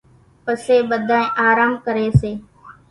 پسي ٻڌانئين آرام ڪري سي